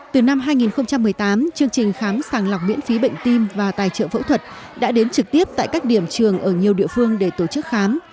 từ năm hai nghìn một mươi tám chương trình khám sàng lọc miễn phí bệnh tim và tài trợ phẫu thuật đã đến trực tiếp tại các điểm trường ở nhiều địa phương để tổ chức khám